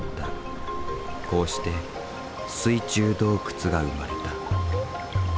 こうして水中洞窟が生まれた。